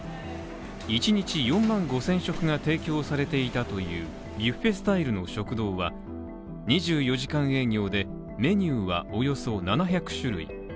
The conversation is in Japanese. １日４万５０００食が提供されていたというビュフェスタイルの食堂は２４時間営業で、メニューはおよそ７００種類。